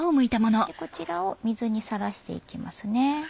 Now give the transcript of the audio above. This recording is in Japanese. こちらを水にさらしていきますね。